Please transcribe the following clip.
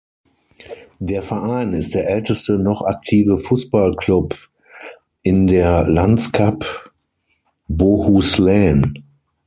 Der Verein ist der älteste noch aktive Fußballklub in der Landskap Bohuslän.